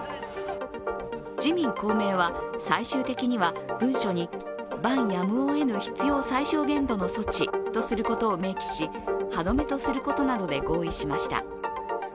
自民・公明は最終的には文書に万やむをえぬ必要最小限度の措置とすることを明記し歯止めとすることなどで合意しました。